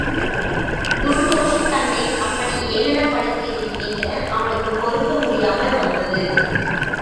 டுன்டுஷ் தன்னை அப்படி ஏளனப்படுத்தியதை நினைக்க அவனுக்குப் பொறுக்க முடியாமல் வந்தது.